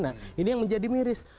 nah ini yang menjadi miris